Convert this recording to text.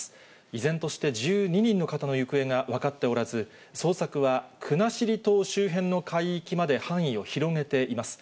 依然として１２人の方の行方が分かっておらず、捜索は国後島周辺の海域まで範囲を広げています。